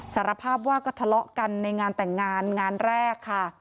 สารภาพว่าก็ทะเลาะกันในงานแต่งงานงานแรกค่ะ